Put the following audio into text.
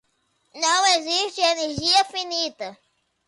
Não existe energia infinita.